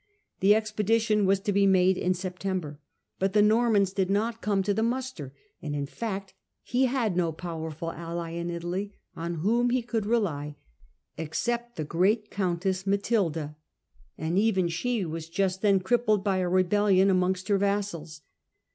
The expedition was to be made in September, but the Normans did not come to the muster, and, in fact, he had no powerful ally in Italy on whom he could rely except the great countess Matilda, and even she was just then crippled by a rebellion, amongst her vassals.